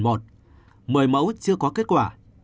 một mươi mẫu chưa có kết quả